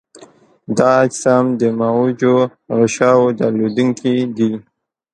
دا اجسام د معوجو غشاوو درلودونکي دي.